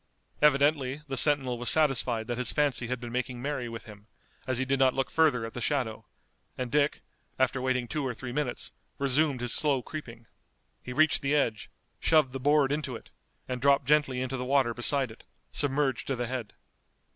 Evidently the sentinel was satisfied that his fancy had been making merry with him, as he did not look further at the shadow, and Dick, after waiting two or three minutes, resumed his slow creeping. He reached the edge, shoved the board into it, and dropped gently into the water beside it, submerged to the head.